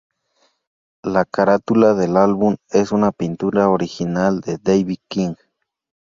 La carátula del álbum es una pintura original de Dave King.